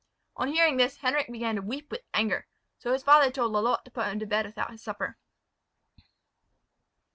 On hearing this, Henric began to weep with anger. So his father told Lalotte to put him to bed without his supper.